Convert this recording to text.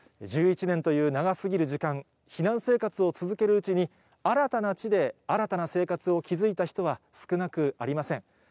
１１年という長すぎる時間、避難生活を続けるうちに、新たな地で新たな生活を築いた人は少なくありません。